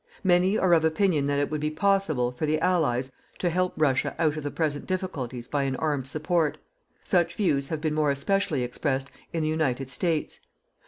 Many are of opinion that it would be possible, for the Allies, to help Russia out of the present difficulties by an armed support. Such views have been more especially expressed in the United States.